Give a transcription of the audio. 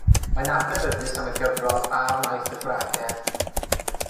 Mae'n adnabyddus am y gyfrol A Wnaiff y Gwragedd...?